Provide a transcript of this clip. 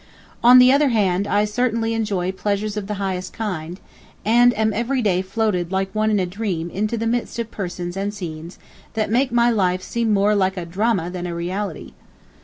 On the other hand I certainly enjoy pleasures of the highest kind, and am every day floated like one in a dream into the midst of persons and scenes that make my life seem more like a drama than a reality.